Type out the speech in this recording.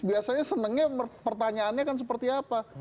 biasanya senangnya pertanyaannya kan seperti apa